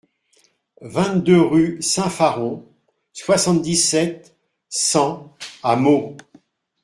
vingt-deux rue Saint-Faron, soixante-dix-sept, cent à Meaux